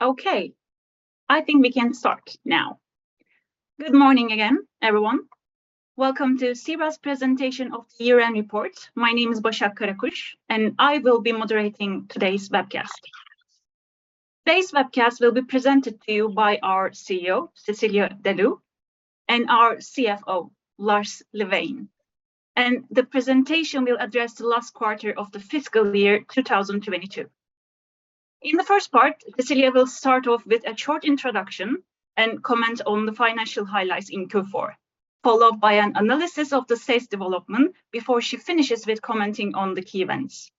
Okay, I think we can start now. Good morning again, everyone. Welcome to C-RAD's presentation of the year-end report. My name is Basak Karakus, I will be moderating today's webcast. Today's webcast will be presented to you by our CEO, Cecilia de Leeuw, our CFO, Lars Levin. The presentation will address the last quarter of the fiscal year 2022. In the first part, Cecilia will start off with a short introduction and comment on the financial highlights in Q4, followed by an analysis of the sales development before she finishes with commenting on the key events.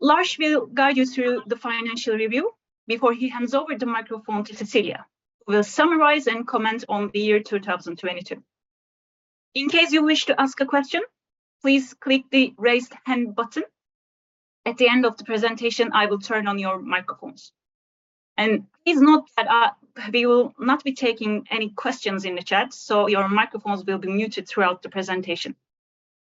Lars will guide you through the financial review before he hands over the microphone to Cecilia, who will summarize and comment on the year 2022. In case you wish to ask a question, please click the Raise Hand button. At the end of the presentation, I will turn on your microphones. Please note that, we will not be taking any questions in the chat, so your microphones will be muted throughout the presentation.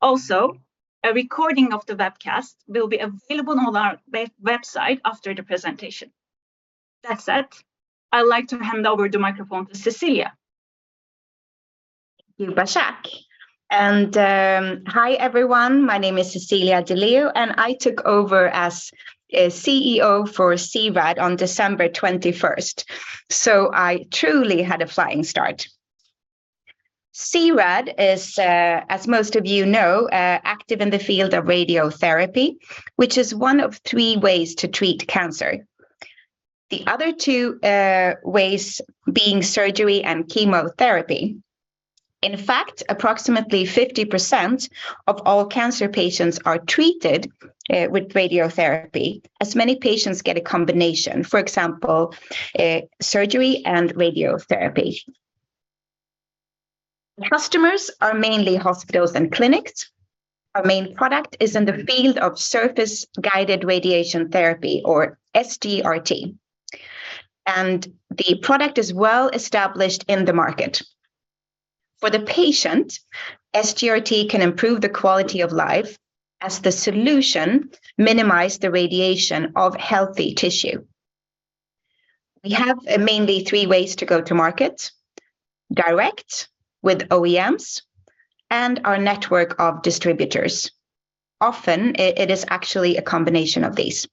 Also, a recording of the webcast will be available on our website after the presentation. That said, I'd like to hand over the microphone to Cecilia. Thank you, Basak. Hi, everyone. My name is Cecilia de Leeuw, and I took over as CEO for C-RAD on December 21st. I truly had a flying start. C-RAD is, as most of you know, active in the field of radiotherapy, which is one of three ways to treat cancer. The other two ways being surgery and chemotherapy. In fact, approximately 50% of all cancer patients are treated with radiotherapy, as many patients get a combination. For example, surgery and radiotherapy. Customers are mainly hospitals and clinics. Our main product is in the field of Surface Guided Radiation Therapy or SGRT, and the product is well established in the market. For the patient, SGRT can improve the quality of life as the solution minimize the radiation of healthy tissue. We have mainly three ways to go to market: direct with OEMs and our network of distributors. Often it is actually a combination of these.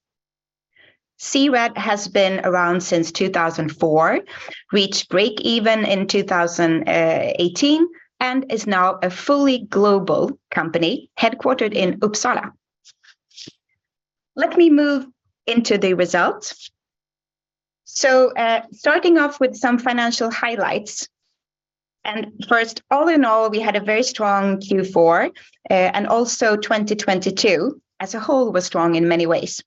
C-RAD has been around since 2004, reached breakeven in 2018 and is now a fully global company headquartered in Uppsala. Let me move into the results. Starting off with some financial highlights. First, all in all, we had a very strong Q4. Also, 2022 as a whole was strong in many ways.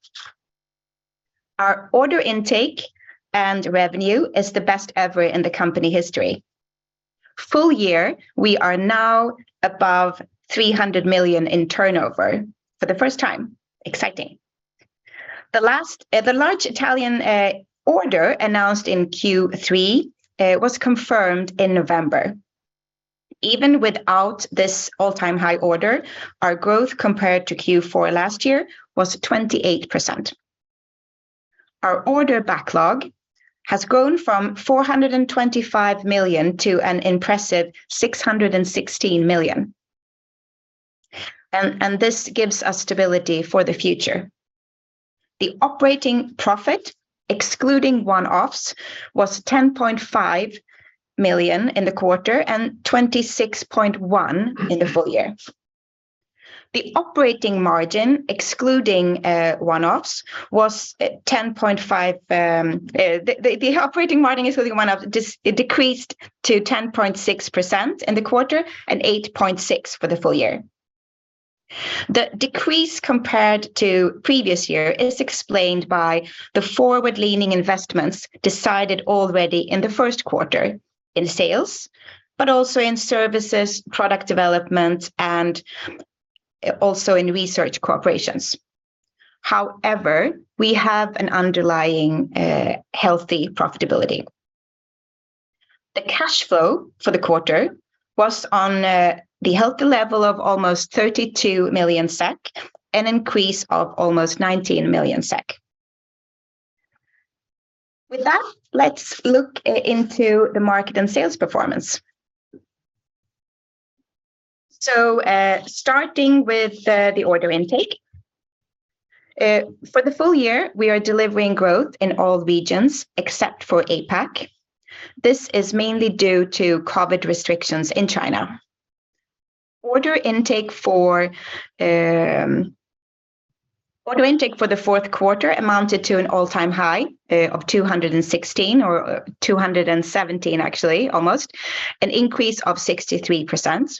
Our order intake and revenue is the best ever in the company history. Full year, we are now above 300 million in turnover for the first time. Exciting. The large Italian order announced in Q3 was confirmed in November. Even without this all-time high order, our growth compared to Q4 last year was 28%. Our order backlog has grown from 425 million to an impressive 616 million. This gives us stability for the future. The operating profit, excluding one-offs, was 10.5 million in the quarter and 26.1 million in the full year. The operating margin, excluding one-offs, was 10.5%. The operating margin excluding one-off it decreased to 10.6% in the quarter and 8.6% for the full year. The decrease compared to previous year is explained by the forward-leaning investments decided already in the first quarter in sales, but also in services, product development, and also in research corporations. We have an underlying healthy profitability. The cash flow for the quarter was on the healthy level of almost 32 million SEK, an increase of almost 19 million SEK. With that, let's look into the market and sales performance. Starting with the order intake. For the full year, we are delivering growth in all regions except for APAC. This is mainly due to COVID restrictions in China. Order intake for the fourth quarter amounted to an all-time high of 216 million or 217 million actually, almost, an increase of 63%.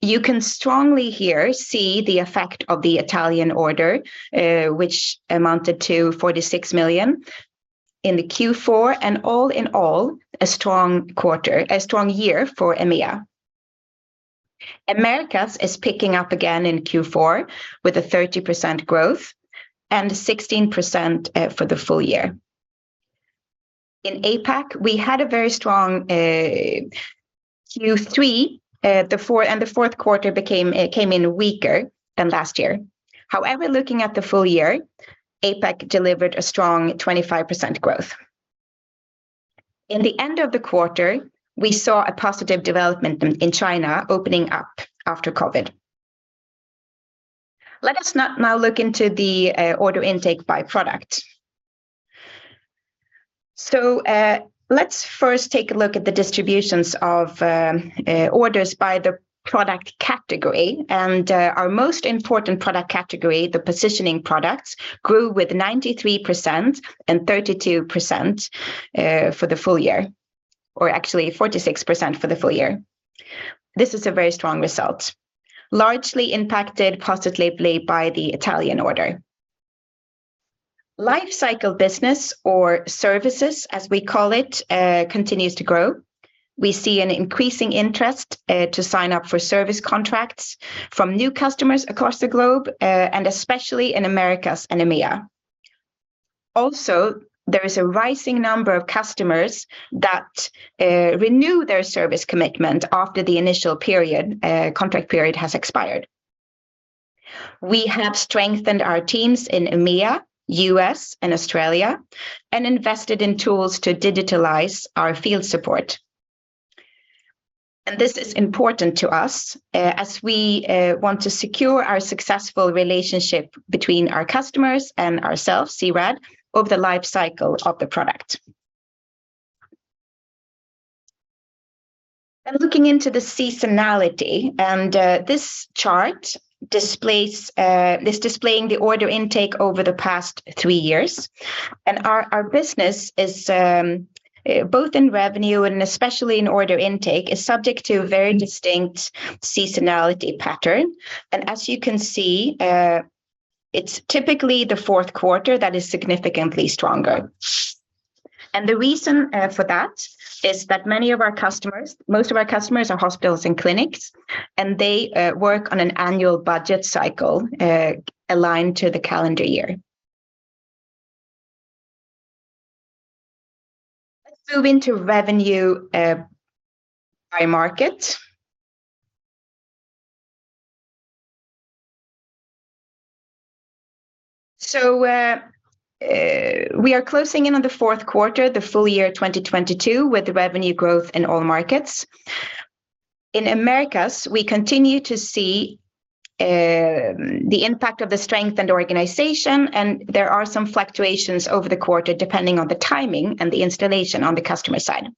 You can strongly here see the effect of the Italian order, which amounted to 46 million in the Q4. All in all, a strong quarter, a strong year for EMEA. Americas is picking up again in Q4 with a 30% growth and 16% for the full year. In APAC, we had a very strong Q3. The fourth quarter came in weaker than last year. However, looking at the full year, APAC delivered a strong 25% growth. In the end of the quarter, we saw a positive development in China opening up after COVID. Let us now look into the order intake by product. Let's first take a look at the distributions of orders by the product category. Our most important product category, the positioning products, grew with 93% and 32% for the full year, or actually 46% for the full year. This is a very strong result, largely impacted positively by the Italian order. Life Cycle Business or services, as we call it, continues to grow. We see an increasing interest to sign up for service contracts from new customers across the globe, especially in Americas and EMEA. Also, there is a rising number of customers that renew their service commitment after the initial period, contract period has expired. We have strengthened our teams in EMEA, US, and Australia, and invested in tools to digitalize our field support. This is important to us, as we want to secure our successful relationship between our customers and ourselves, C-RAD, over the life cycle of the product. Looking into the seasonality, this chart is displaying the order intake over the past three years. Our business is both in revenue and especially in order intake, is subject to a very distinct seasonality pattern. As you can see, it's typically the fourth quarter that is significantly stronger. The reason for that is that many of our customers, most of our customers are hospitals and clinics, and they work on an annual budget cycle aligned to the calendar year. Let's move into revenue by market. We are closing in on the fourth quarter, the full year 2022 with revenue growth in all markets. In Americas, we continue to see the impact of the strength and organization, and there are some fluctuations over the quarter depending on the timing and the installation on the customer side.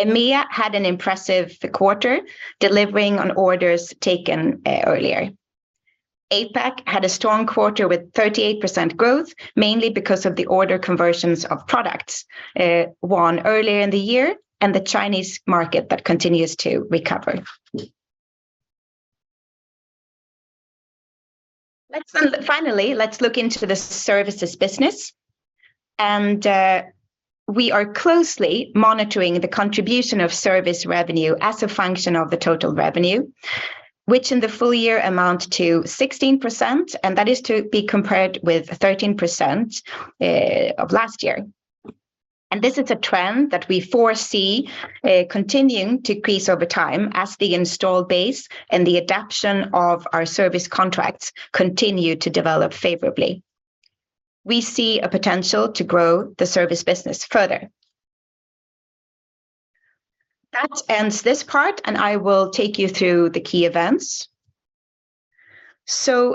EMEA had an impressive quarter delivering on orders taken earlier. APAC had a strong quarter with 38% growth, mainly because of the order conversions of products, won earlier in the year and the Chinese market that continues to recover. Finally, let's look into the services business. We are closely monitoring the contribution of service revenue as a function of the total revenue, which in the full year amount to 16%, and that is to be compared with 13% of last year. This is a trend that we foresee continuing to increase over time as the install base and the adoption of our service contracts continue to develop favorably. We see a potential to grow the service business further. That ends this part, and I will take you through the key events.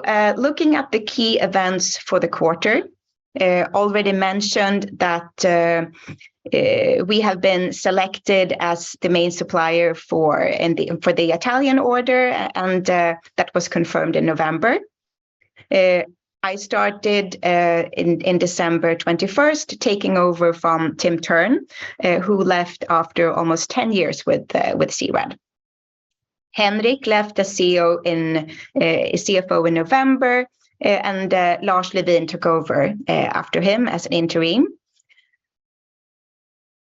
Looking at the key events for the quarter, already mentioned that we have been selected as the main supplier for the Italian order, and that was confirmed in November. I started in December 21st, taking over from Tim Thurn, who left after almost 10 years with C-RAD. Henrik left as CFO in November, and Lars Levin took over after him as an interim.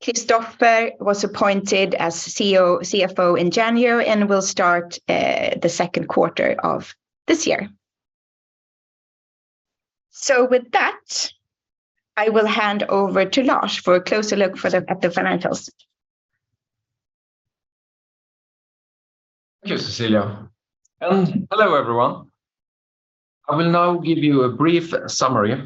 Christopher was appointed as CFO in January and will start the second quarter of this year. With that, I will hand over to Lars for a closer look at the financials. Thank you, Cecilia, and hello, everyone. I will now give you a brief summary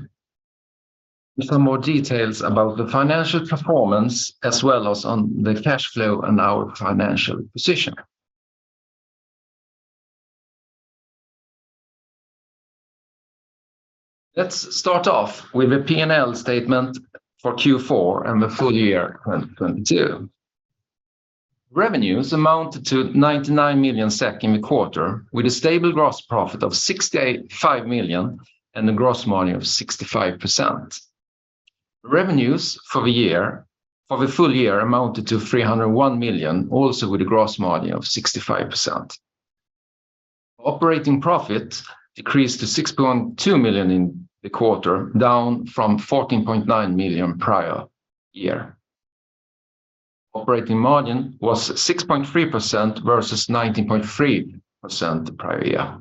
with some more details about the financial performance as well as on the cash flow and our financial position. Let's start off with a P&L statement for Q4 and the full year 2022. Revenues amounted to 99 million SEK in the quarter, with a stable gross profit of 68.5 million and a gross margin of 65%. Revenues for the full year amounted to 301 million, also with a gross margin of 65%. Operating profit decreased to 6.2 million in the quarter, down from 14.9 million prior year. Operating margin was 6.3% versus 19.3% the prior year.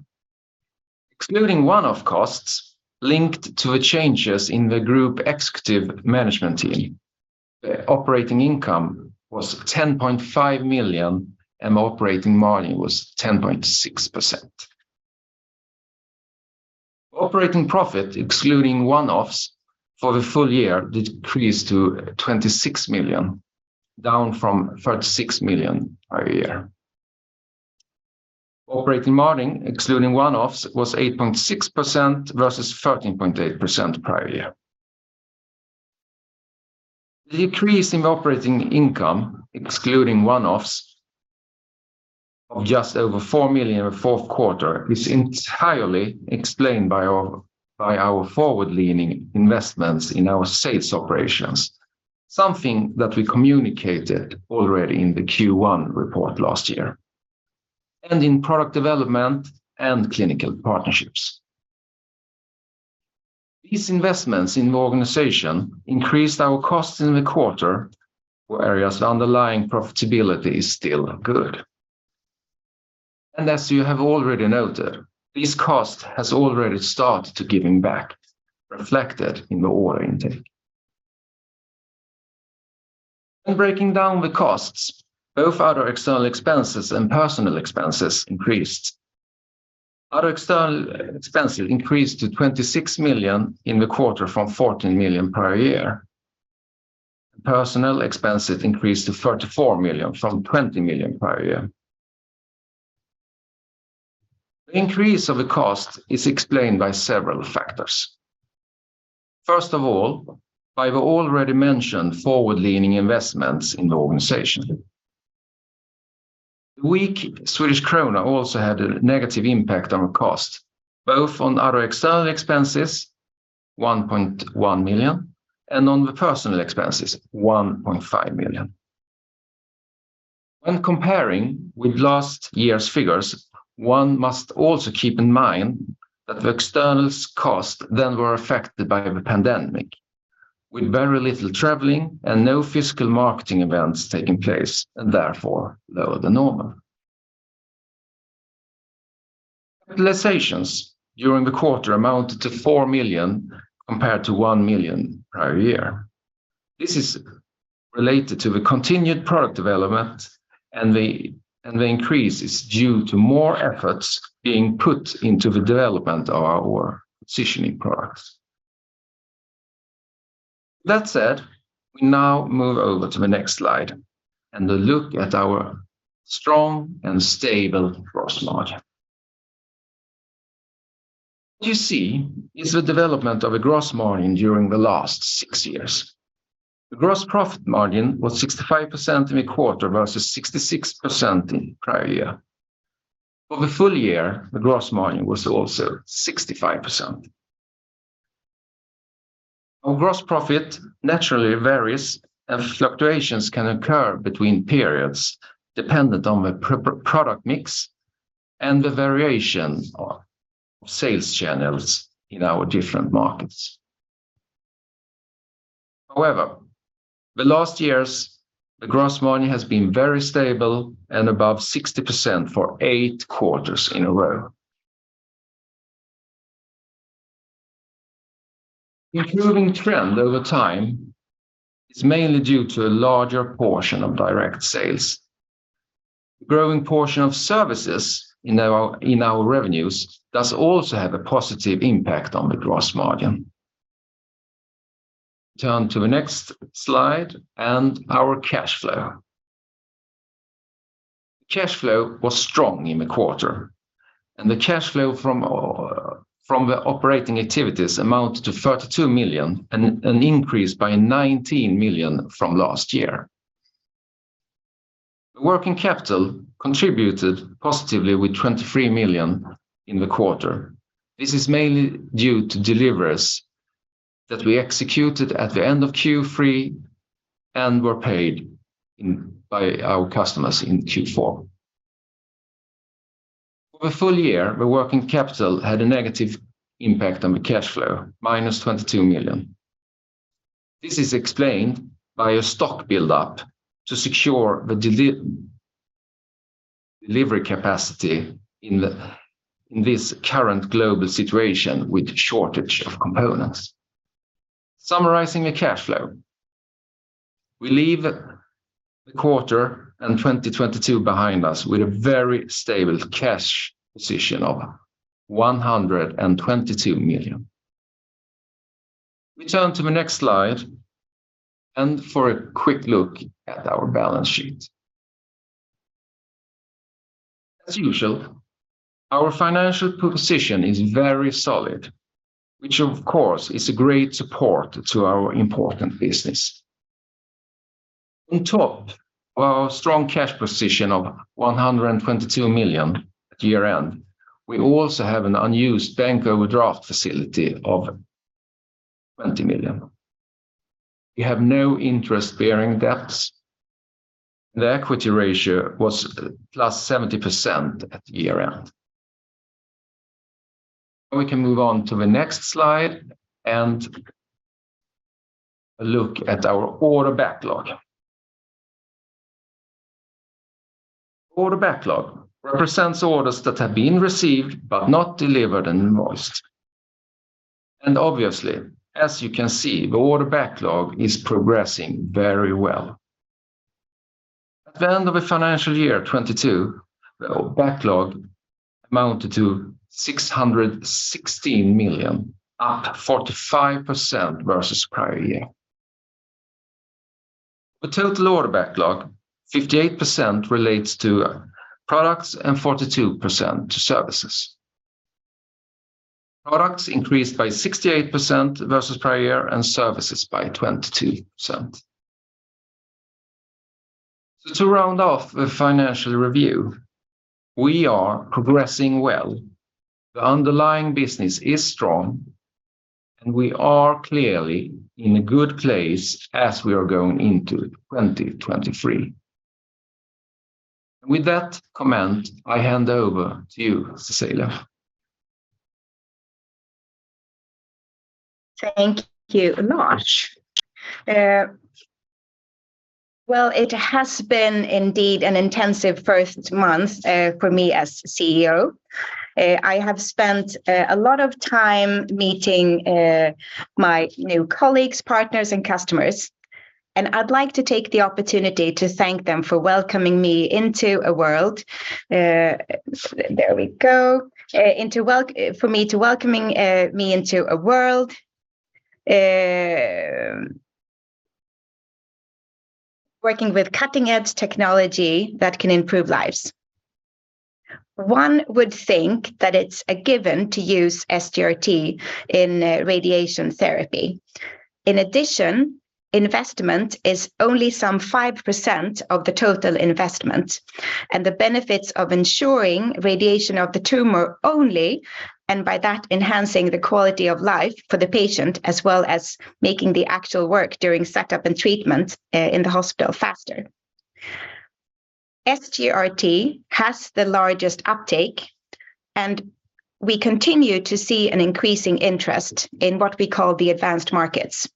Excluding one-off costs linked to the changes in the group executive management team, the operating income was 10.5 million and operating margin was 10.6%. Operating profit, excluding one-offs for the full year, decreased to 26 million, down from 36 million prior year. Operating margin, excluding one-offs, was 8.6% versus 13.8% prior year. Decrease in operating income, excluding one-offs of just over 4 million in the fourth quarter, is entirely explained by our forward-leaning investments in our sales operations, something that we communicated already in the Q1 report last year, and in product development and clinical partnerships. These investments in the organization increased our costs in the quarter for areas underlying profitability is still good. As you have already noted, this cost has already started to giving back, reflected in the order intake. In breaking down the costs, both other external expenses and personal expenses increased. Other external expenses increased to 26 million in the quarter from 14 million prior year. Personal expenses increased to 34 million from 20 million prior year. The increase of the cost is explained by several factors. First of all, by the already mentioned forward-leaning investments in the organization. Weak Swedish krona also had a negative impact on our cost, both on other external expenses, 1.1 million, and on the personal expenses, 1.5 million. When comparing with last year's figures, one must also keep in mind that the external costs then were affected by the pandemic, with very little traveling and no physical marketing events taking place, and therefore, lower than normal. Capitalizations during the quarter amounted to 4 million compared to 1 million prior year. This is related to the continued product development and the increase is due to more efforts being put into the development of our positioning products. That said, we now move over to the next slide and a look at our strong and stable gross margin. What you see is the development of a gross margin during the last six years. The gross profit margin was 65% in the quarter versus 66% in prior year. Over the full year, the gross margin was also 65%. Our gross profit naturally varies and fluctuations can occur between periods dependent on the product mix and the variation of sales channels in our different markets. The last years, the gross margin has been very stable and above 60% for eight quarters in a row. Improving trend over time is mainly due to a larger portion of direct sales. Growing portion of services in our revenues does also have a positive impact on the gross margin. Turn to the next slide and our cash flow. The cash flow was strong in the quarter. The cash flow from the operating activities amounted to 32 million, an increase by 19 million from last year. The working capital contributed positively with 23 million in the quarter. This is mainly due to deliveries that we executed at the end of Q3 and were paid by our customers in Q4. Over the full year, the working capital had a negative impact on the cash flow, -22 million. This is explained by a stock build-up to secure the delivery capacity in this current global situation with shortage of components. Summarizing the cash flow, we leave the quarter and 2022 behind us with a very stable cash position of 122 million. We turn to the next slide and for a quick look at our balance sheet. As usual, our financial position is very solid, which of course is a great support to our important business. On top of our strong cash position of 122 million at year-end, we also have an unused bank overdraft facility of 20 million. We have no interest bearing debts. The equity ratio was +70% at year-end. We can move on to the next slide and look at our order backlog. Order backlog represents orders that have been received but not delivered and invoiced. Obviously, as you can see, the order backlog is progressing very well. At the end of the financial year 2022, the backlog amounted to 616 million, up 45% versus prior year. The total order backlog, 58% relates to products and 42% to services. Products increased by 68% versus prior year and services by 22%. To round off the financial review, we are progressing well. The underlying business is strong, and we are clearly in a good place as we are going into 2023. With that comment, I hand over to you, Cecilia. Thank you, Lars. Well, it has been indeed an intensive first month for me as CEO. I have spent a lot of time meeting my new colleagues, partners, and customers, and I'd like to take the opportunity to thank them for welcoming me into a world. There we go. For me to welcoming me into a world working with cutting-edge technology that can improve lives. One would think that it's a given to use SGRT in radiation therapy. In addition, investment is only some 5% of the total investment, and the benefits of ensuring radiation of the tumor only, and by that, enhancing the quality of life for the patient as well as making the actual work during setup and treatment in the hospital faster. SGRT has the largest uptake, we continue to see an increasing interest in what we call the advanced markets.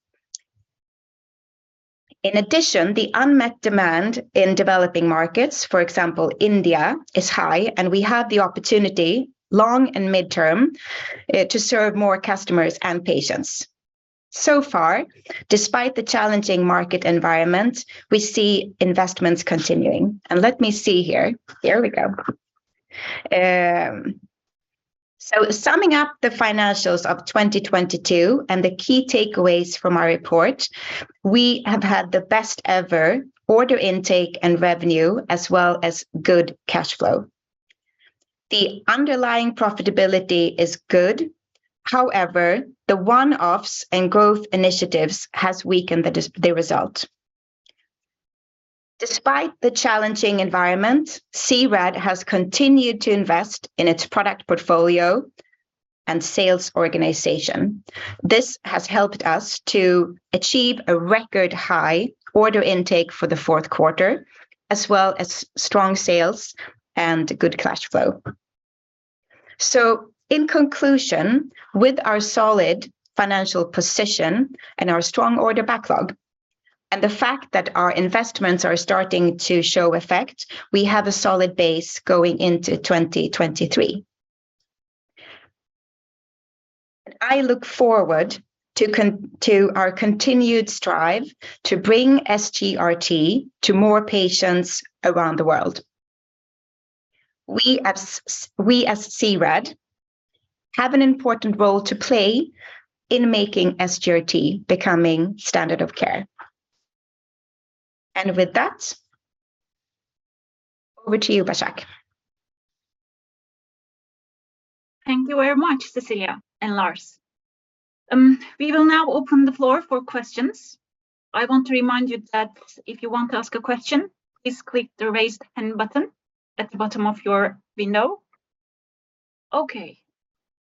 In addition, the unmet demand in developing markets, for example, India, is high, and we have the opportunity, long and midterm, to serve more customers and patients. So far, despite the challenging market environment, we see investments continuing. Let me see here. Here we go. Summing up the financials of 2022 and the key takeaways from our report, we have had the best ever order intake and revenue as well as good cash flow. The underlying profitability is good. However, the one-offs and growth initiatives has weakened the result. Despite the challenging environment, C-RAD has continued to invest in its product portfolio and sales organization. This has helped us to achieve a record high order intake for the fourth quarter, as well as strong sales and good cash flow. In conclusion, with our solid financial position and our strong order backlog, and the fact that our investments are starting to show effect, we have a solid base going into 2023. I look forward to our continued strive to bring SGRT to more patients around the world. We as C-RAD have an important role to play in making SGRT becoming standard of care. With that, over to you, Basak. Thank you very much, Cecilia and Lars. We will now open the floor for questions. I want to remind you that if you want to ask a question, please click the Raise Hand button at the bottom of your window.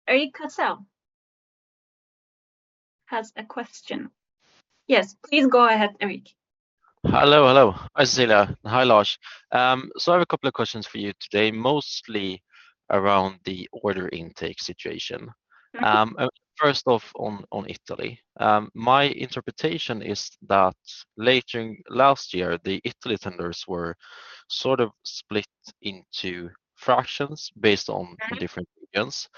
Erik Cassel has a question. Please go ahead, Erik. Hello, hello. Hi, Cecilia. Hi, Lars. I have a couple of questions for you today, mostly around the order intake situation. Mm-hmm. First off on Italy. My interpretation is that later in last year, the Italy tenders were sort of split into fractions based on. Mm-hmm... the different regions.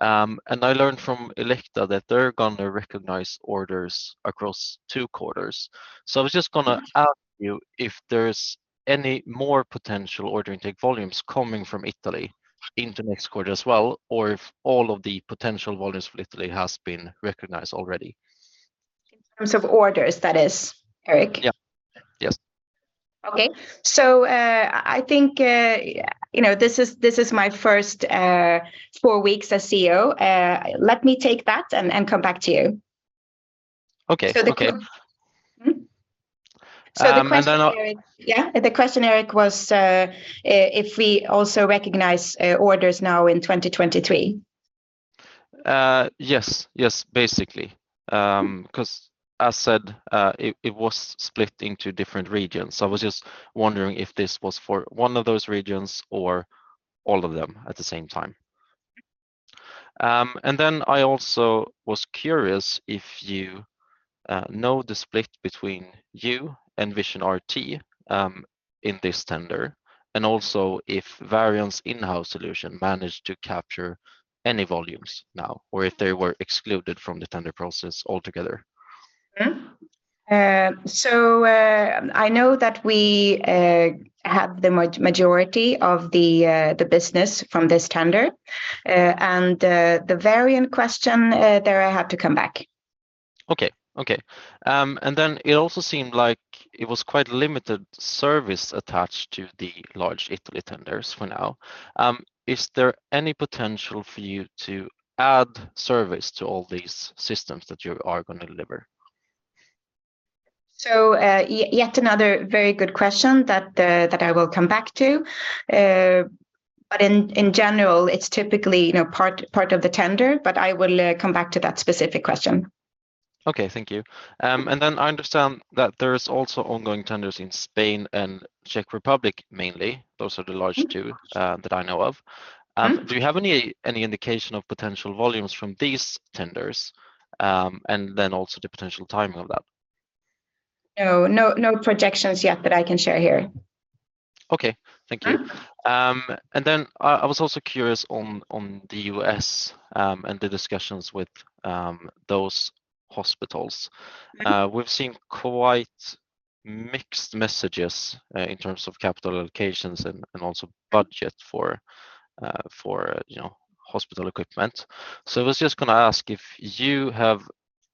I learned from Elekta that they're gonna recognize orders across two quarters. I was just gonna ask you if there's any more potential order intake volumes coming from Italy into next quarter as well, or if all of the potential volumes for Italy has been recognized already? In terms of orders, that is, Erik? Yeah. Yes. Okay. I think, you know, this is my first, four weeks as CEO. Let me take that and come back to you. Okay. Okay. Mm-hmm. Um, and then, uh- The question, Erik, was if we also recognize orders now in 2023. Yes. Yes, basically. 'Cause as said, it was split into different regions. I was just wondering if this was for one of those regions or all of them at the same time. Then I also was curious if you know the split between you and Vision RT in this tender, and also if Varian's in-house solution managed to capture any volumes now, or if they were excluded from the tender process altogether. I know that we have the majority of the business from this tender. The Varian question, there I have to come back. Okay. Okay. It also seemed like it was quite limited service attached to the large Italy tenders for now. Is there any potential for you to add service to all these systems that you are gonna deliver? Yet another very good question that I will come back to. In general, it's typically, you know, part of the tender, but I will come back to that specific question. Okay. Thank you. I understand that there's also ongoing tenders in Spain and Czech Republic mainly. Those are the large two. Mm-hmm... that I know of. Mm-hmm. do you have any indication of potential volumes from these tenders, and then also the potential timing of that? No. No, no projections yet that I can share here. Okay. Thank you. Mm-hmm. I was also curious on the U.S. and the discussions with those hospitals. Mm-hmm. We've seen quite mixed messages, in terms of capital allocations and also budget for, you know, hospital equipment. I was just gonna ask if you have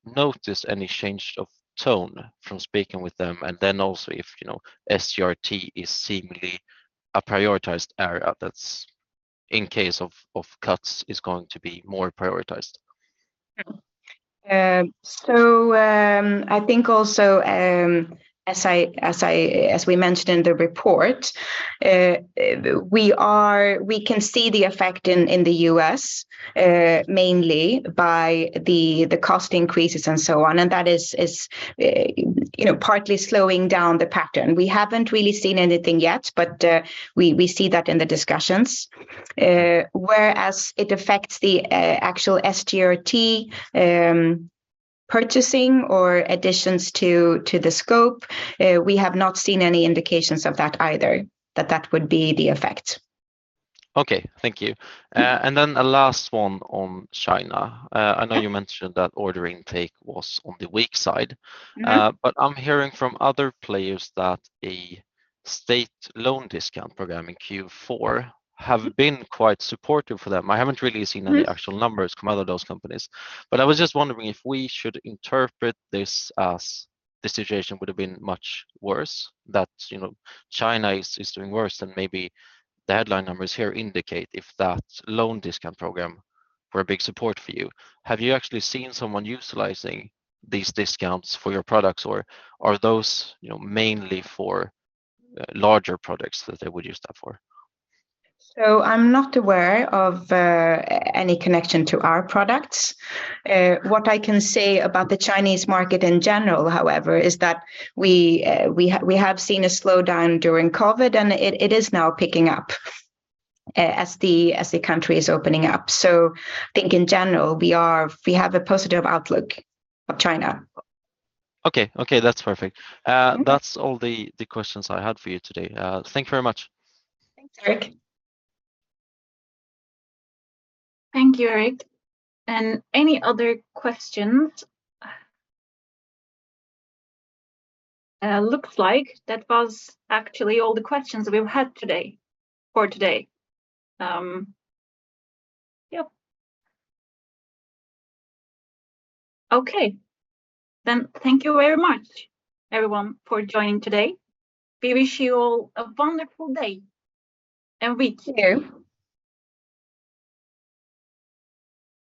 noticed any change of tone from speaking with them, and then also if, you know, SGRT is seemingly a prioritized area that's, in case of cuts, is going to be more prioritized. I think also, as I, as I, as we mentioned in the report, we can see the effect in the U.S., mainly by the cost increases and so on, and that is, you know, partly slowing down the pattern. We haven't really seen anything yet, but we see that in the discussions. Whereas it affects the actual SGRT purchasing or additions to the scope, we have not seen any indications of that either that that would be the effect. Okay. Thank you. Then a last one on China. I know you mentioned that order intake was on the weak side. Mm-hmm. I'm hearing from other players that a state loan discount program in Q4 have been quite supportive for them. I haven't really seen any actual numbers come out of those companies. I was just wondering if we should interpret this as the situation would have been much worse, that, you know, China is doing worse than maybe the headline numbers here indicate if that loan discount program were a big support for you. Have you actually seen someone utilizing these discounts for your products, or are those, you know, mainly for larger products that they would use that for? I'm not aware of any connection to our products. What I can say about the Chinese market in general, however, is that we have seen a slowdown during COVID, and it is now picking up as the country is opening up. I think in general, we have a positive outlook of China. Okay. That's perfect. That's all the questions I had for you today. Thank you very much. Thanks, Erik. Thank you, Erik. Any other questions? Looks like that was actually all the questions we've had today, for today. Yep. Okay. Thank you very much, everyone, for joining today. We wish you all a wonderful day and week. Thank you.